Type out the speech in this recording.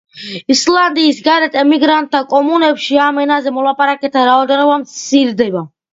ისლანდიის გარეთ ემიგრანტთა კომუნებში ამ ენაზე მოლაპარაკეთა რაოდენობა მცირდება.